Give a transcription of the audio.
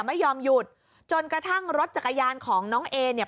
ไม่ยอมหยุดจนกระทั่งรถจักรยานของน้องเอเนี่ย